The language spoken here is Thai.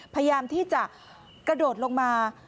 พยายามที่จะกระโดดลงมา